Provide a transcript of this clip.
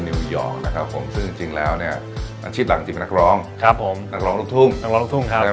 นั่นหนักร้องลุกทุ่มครับ